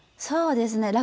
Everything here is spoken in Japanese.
そうですね。